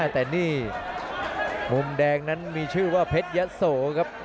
แต่นี่มุมแดงนั้นมีชื่อว่าเพชรยะโสครับ